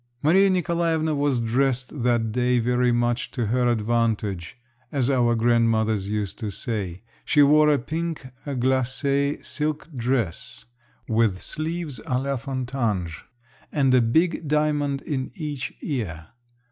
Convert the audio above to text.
Maria Nikolaevna was dressed that day very much "to her advantage," as our grandmothers used to say. She wore a pink glacé silk dress, with sleeves à la Fontange, and a big diamond in each ear.